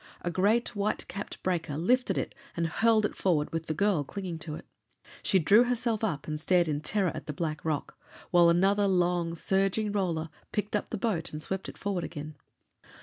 A great white capped breaker lifted it and hurled it forward, with the girl clinging to it. She drew herself up and stared in terror at the black rock, while another long surging roller picked up the boat and swept it forward again.